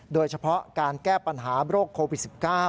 โดยเฉพาะการแก้ปัญหาโรคโควิด๑๙